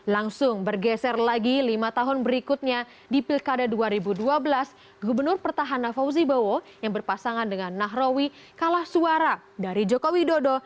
langsung bergeser lagi lima tahun berikutnya di pilkada dua ribu dua belas gubernur pertahanan fauzi bowo yang berpasangan dengan nahrawi kalah suara dari jokowi dodo